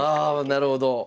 なるほど。